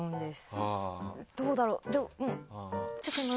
どうだろう？でも。